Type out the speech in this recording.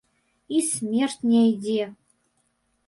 І смерць не ідзе!